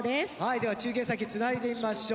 では中継先つないでみましょう。